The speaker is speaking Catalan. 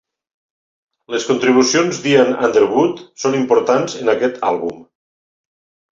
Les contribucions d'Ian Underwood són importants en aquest àlbum.